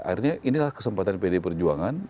akhirnya inilah kesempatan pdi perjuangan